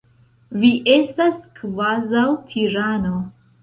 Vi estas kvazaŭ tirano.